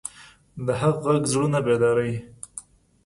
د حق غږ زړونه بیداروي